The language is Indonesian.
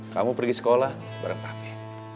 kamu pergi sekolah bareng kami